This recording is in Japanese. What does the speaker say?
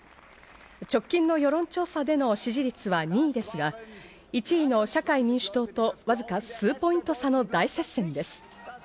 直近の世論調査での支持率は２位ですが１位の社会民主党とわずか数ポイント差の大接戦です。